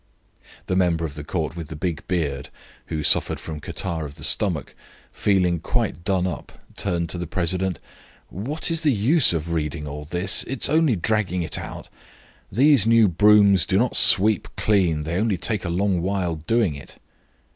The member of the Court with the big beard, who suffered from catarrh of the stomach, feeling quite done up, turned to the president: "What is the use of reading all this? It is only dragging it out. These new brooms do not sweep clean; they only take a long while doing it."